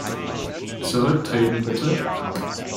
Zurücktreten, bitte!